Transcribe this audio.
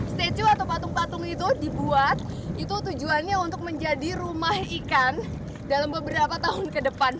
stejo atau patung patung itu dibuat itu tujuannya untuk menjadi rumah ikan dalam beberapa tahun ke depan